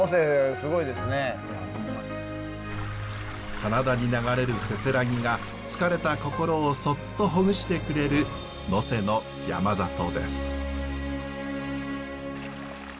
棚田に流れるせせらぎが疲れた心をそっとほぐしてくれる能勢の山里です。